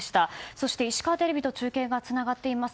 そして石川テレビと中継がつながっています。